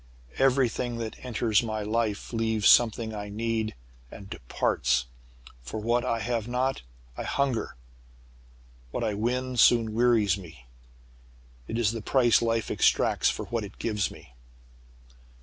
Everything that enters my life leaves something I need and departs! For what I have not, I hunger. What I win soon wearies me. It is the price life exacts for what it gives me.